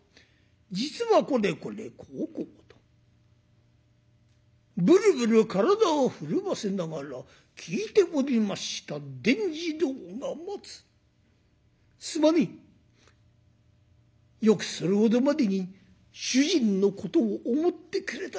「実はこれこれこうこう」とブルブル体を震わせながら聞いておりました伝次郎が「松すまねえ。よくそれほどまでに主人のことを思ってくれた。